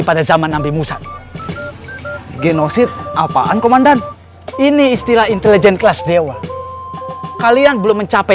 pada zaman nabi musat genosit apaan komandan ini istilah intelijen kelas dewa kalian belum mencapai